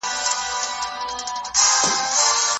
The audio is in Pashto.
قصاب غوښي د بازار په نرخ تللې